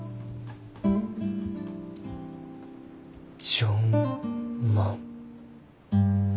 「ジョン・マン」。